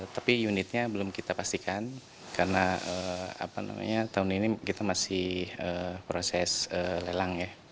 tapi unitnya belum kita pastikan karena tahun ini kita masih proses lelang ya